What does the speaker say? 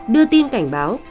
đưa tin cảnh báo